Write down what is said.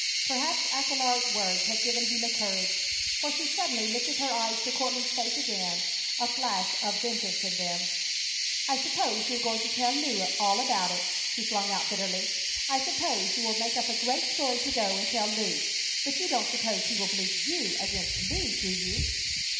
Perhaps Aquilar's words had given Gila courage, for she suddenly lifted her eyes to Courtland's face again, a flash of vengeance in them: "I suppose you are going to tell Lew all about it?" she flung out, bitterly. "I suppose you will make up a great story to go and tell Lew. But you don't suppose he will believe you against me, do you?"